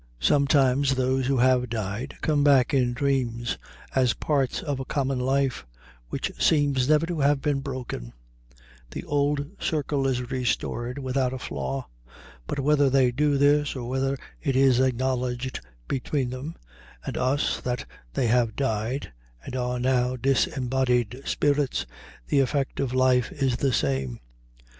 Sometimes those who have died come back in dreams as parts of a common life which seems never to have been broken; the old circle is restored without a flaw; but whether they do this, or whether it is acknowledged between them and us that they have died, and are now disembodied spirits, the effect of life is the same.